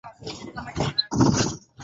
Pekee na siku mia moja na ishirini